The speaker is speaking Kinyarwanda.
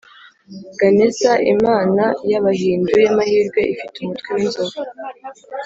ganesa, imana y’abahindu y’amahirwe ifite umutwe w’inzovu